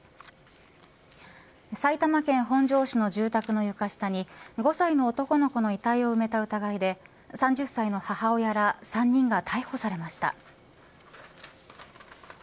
埼玉県本庄市の住宅の床下に５歳の男の子の遺体を埋めた疑いで３０歳の母親ら３人が逮捕されました。